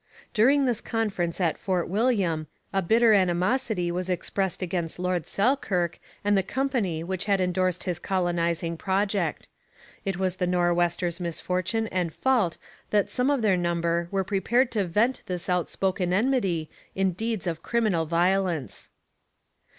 During this conference at Fort William a bitter animosity was expressed against Lord Selkirk and the company which had endorsed his colonizing project. It was the Nor'westers' misfortune and fault that some of their number were prepared to vent this outspoken enmity in deeds of criminal violence.